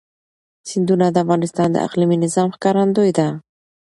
سیندونه د افغانستان د اقلیمي نظام ښکارندوی ده.